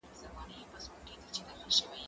زه اوس موسيقي اورم!.